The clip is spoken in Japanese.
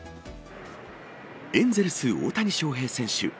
エンゼルス、大谷翔平選手。